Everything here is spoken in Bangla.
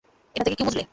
এটা থেকে কী বুঝলে?